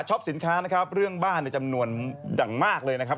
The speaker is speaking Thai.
ช็อปสินค้าเรื่องบ้านจำนวนดังมากเลยนะครับ